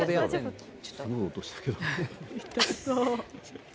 痛そう。